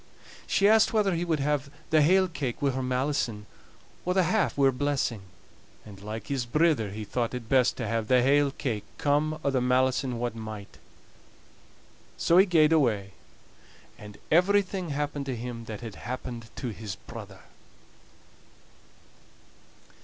She asked whether he would have the hale cake wi' her malison, or the half wi' her blessing; and, like his brither, he thought it best to have the hale cake, come o' the malison what might. So he gaed away; and everything happened to him that had happened to his brother!